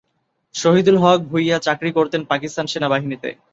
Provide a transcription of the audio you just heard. শহিদুল হক ভূঁইয়া চাকরি করতেন পাকিস্তান সেনাবাহিনীতে।